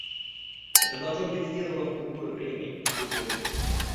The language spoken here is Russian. Это должно быть сделано в другое время и в другом месте.